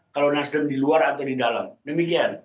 kalau nasdem di luar atau di dalam demikian